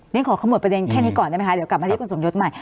นี่ขอขมวดประเด็นแค่นี้ก่อนได้ไหมคะเดี๋ยวกลับมาที่คุณสมยศใหม่